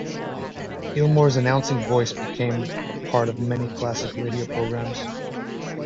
Gilmore's announcing voice became a part of many classic radio programs.